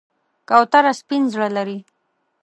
کوتره سپین زړه لري.